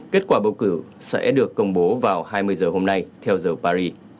kết quả bầu cử sẽ được công bố vào hai mươi giờ hôm nay theo giờ paris